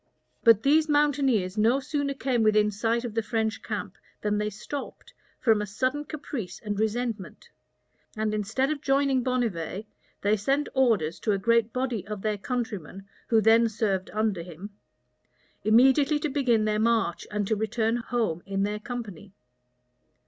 But these mountaineers no sooner came within sight of the French camp, than they stopped, from a sudden caprice and resentment; and instead of joining Bonnivet, they sent orders to a great body of their countrymen, who then served under him, immediately to begin their march, and to return home in their company.